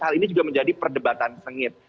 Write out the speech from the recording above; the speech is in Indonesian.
hal ini juga menjadi perdebatan sengit